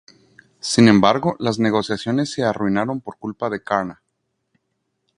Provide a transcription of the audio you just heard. Sin embargo las negociaciones se arruinaron por culpa de Karna.